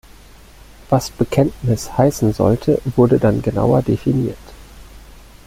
Was „Bekenntnis“ heißen sollte, wurde dann genauer definiert.